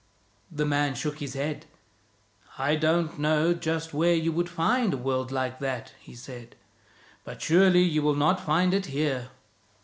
The man shook his head. " I don't know just where you would find a world like that," he said. " But surely you will not find it here."